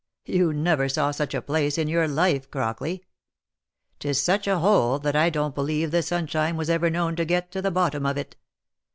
You never saw such a place in your life, Crockley. Tis such a hole that I don't "believe the sunshine was ever known to get to the bottom of it.